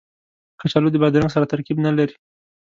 کچالو د بادرنګ سره ترکیب نه لري